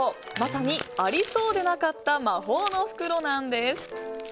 まさに、ありそうでなかった魔法の袋なんです。